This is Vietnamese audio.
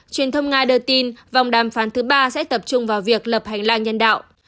truyền thông nga đưa tin vòng đàm phán thứ ba sẽ tập trung vào việc lập hành lang nhân đạo